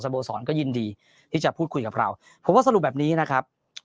โบสรก็ยินดีที่จะพูดคุยกับเราผมว่าสรุปแบบนี้นะครับ